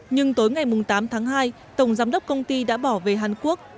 nhưng tối ngày tám tháng hai tổng giám đốc công ty đã bỏ về hàn quốc